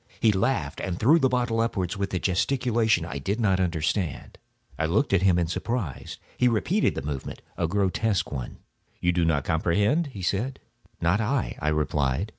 He laughed and threw the bottle upwards with a gesticulation I did not understand. I looked at him in surprise. He repeated the movement—a grotesque one. "You do not comprehend?" he said. "Not I," I replied.